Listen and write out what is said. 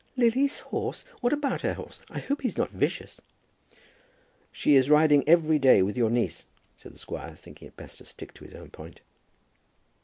"Lily's horse! What about her horse? I hope he's not vicious?" "She is riding every day with your niece," said the squire, thinking it best to stick to his own point.